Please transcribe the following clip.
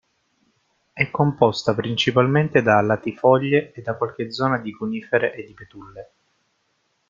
È composta principalmente da latifoglie e da qualche zona di conifere e di betulle.